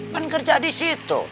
kan kerja di situ